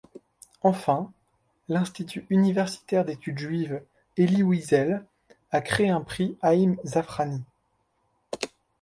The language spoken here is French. Enfin, l'Institut universitaire d'études juives Elie Wiesel a créé un prix Haïm Zafrani.